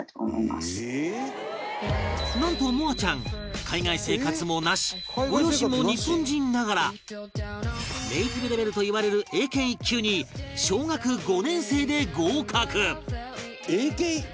なんと望亜ちゃん海外生活もなしご両親も日本人ながらネイティブレベルといわれる英検１級に小学５年生で合格